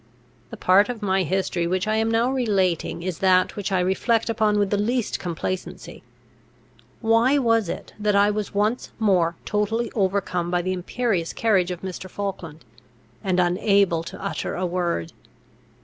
The part of my history which I am now relating is that which I reflect upon with the least complacency. Why was it, that I was once more totally overcome by the imperious carriage of Mr. Falkland, and unable to utter a word?